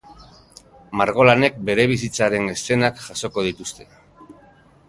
Margolanek bere bizitzaren eszenak jasoko dituzte.